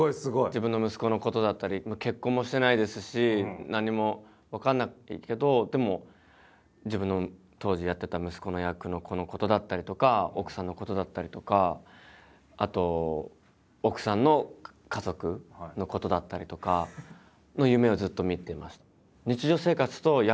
自分の息子のことだったり結婚もしてないですし何も分かんないけどでも自分の当時やってた息子の役の子のことだったりとか奥さんのことだったりとかあと奥さんの家族のことだったりとかの夢をずっと見てました。